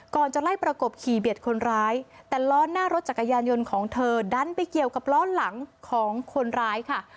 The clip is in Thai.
จะไล่ประกบขี่เบียดคนร้ายแต่ล้อหน้ารถจักรยานยนต์ของเธอดันไปเกี่ยวกับล้อหลังของคนร้ายค่ะ